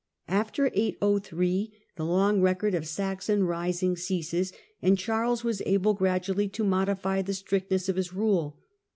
After 803 the long record of Saxon ris 803 ings ceases, and Charles was able gradually to modify the strictness of his rule.